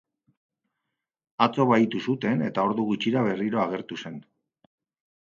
Atzo bahitu zuten, eta ordu gutxira berriro agertu zen.